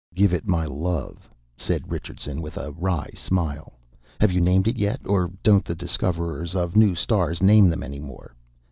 "Give it my love," said Richardson with a wry smile. "Have you named it yet? Or don't the discoverers of new stars name them any more?